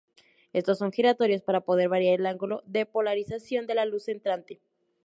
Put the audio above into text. Estos son giratorios para poder variar el ángulo de polarización de la luz entrante.